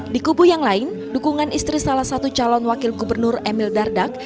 di kubu yang lain dukungan istri salah satu calon wakil gubernur emil dardak